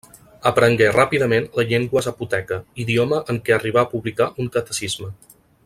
Aprengué ràpidament la llengua zapoteca, idioma en què arribà a publicar un catecisme.